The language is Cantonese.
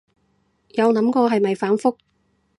有諗過係咪反覆